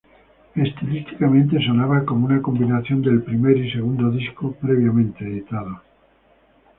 Estilísticamente sonaba como una combinación del primer y segundo disco previamente editados.